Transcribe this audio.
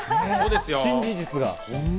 新事実が。